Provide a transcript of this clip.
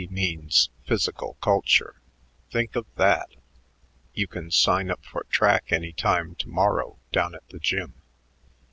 P.C. means physical culture. Think of that! You can sign up for track any time to morrow down at the gym.